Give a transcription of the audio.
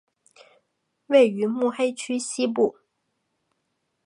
位于目黑区西部。